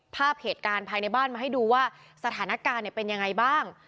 ภาพเหตุการณ์ภายในบ้านมาให้ดูว่าสถานการณ์เป็นยังไงบ้าง